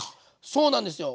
そうなんですよ。